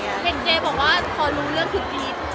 เห็นเจบอกว่าพอรู้เรื่องคือกรี๊ด